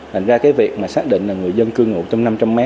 thành ra cái việc mà xác định là người dân cư ngụ trên năm trăm linh m